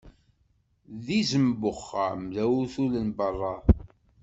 D izem n uxxam, d awtul n beṛṛa.